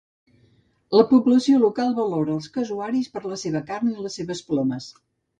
La població local valora els casuaris per la seva carn i les seves plomes.